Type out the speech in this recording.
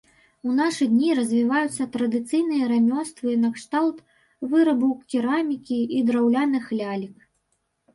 У нашы дні развіваюцца традыцыйныя рамёствы накшталт вырабу керамікі і драўляных лялек.